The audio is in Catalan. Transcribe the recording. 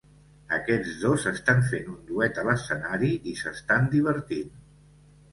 Aquests dos estan fent un duet a l'escenari i s'estan divertint.